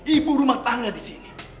ibu rumah tangga disini